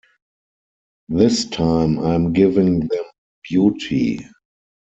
This time I am giving them beauty.